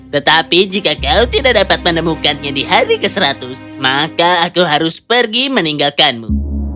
tetapi jika kau tidak dapat menemukannya di hari ke seratus maka aku harus pergi meninggalkanmu